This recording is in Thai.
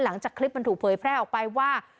หลังจากคลิปมันถูกเผยแพร่ออกไปว่า